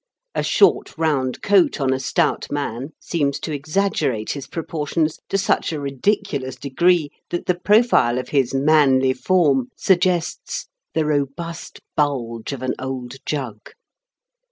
A short, round coat on a stout man seems to exaggerate his proportions to such a ridiculous degree that the profile of his manly form suggests "the robust bulge of an old jug."